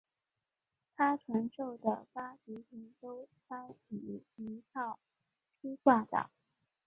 他传授的八极拳都参以一套劈挂掌。